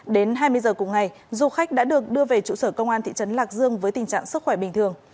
đến hai mươi giờ cùng ngày du khách đã được đưa về trụ sở công an thị trấn lạc dương với tình trạng sức khỏe bình thường